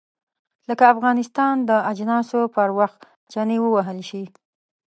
لکه افغانستان د اجناسو پر وخت چنې ووهل شي.